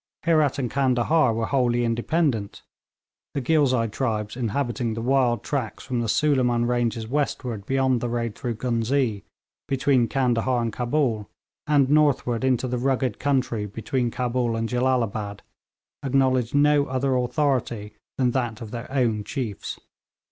Herat and Candahar were wholly independent, the Ghilzai tribes inhabiting the wide tracts from the Suliman ranges westward beyond the road through Ghuznee, between Candahar and Cabul, and northward into the rugged country between Cabul and Jellalabad, acknowledged no other authority than that of their own chiefs.